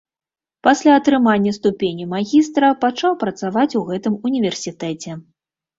Пасля атрымання ступені магістра пачаў працаваць у гэтым універсітэце.